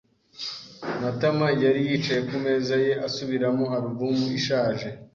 Matama yari yicaye ku meza ye, asubiramo alubumu ishaje.